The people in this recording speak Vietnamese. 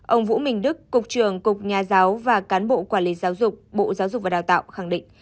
ông vũ minh đức cục trưởng cục nhà giáo và cán bộ quản lý giáo dục bộ giáo dục và đào tạo khẳng định